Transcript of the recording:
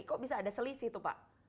kok bisa ada selisih tuh pak